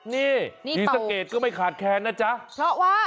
นี่ศรีสะเกดก็ไม่ขาดแค้นนะจ๊ะเพราะว่า